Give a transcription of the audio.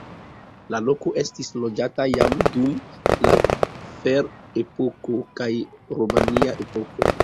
La loko estis loĝata jam dum la ferepoko kaj romia epoko.